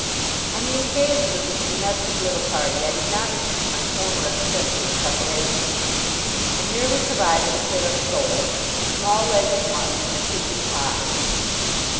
On the occasion of this domestic little party, I did not repeat my former extensive preparations. I merely provided a pair of soles, a small leg of mutton, and a pigeon pie.